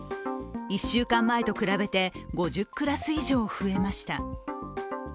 １週間前と比べて５０クラス以上増えました。